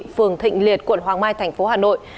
phường thịnh liệt quận hoàng mai thành phố hà nội